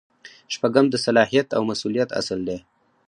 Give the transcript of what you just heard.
شپږم د صلاحیت او مسؤلیت اصل دی.